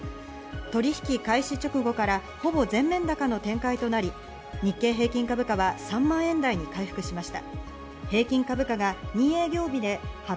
取引開始直後からほぼ全面高の展開となり、日経平均株価は３万円台に回復しました。